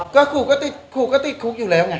ก็ครูก็ติดครูก็ติดคุกอยู่แล้วไง